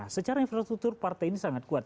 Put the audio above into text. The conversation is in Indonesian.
secara infrastruktur partai ini sangat kuat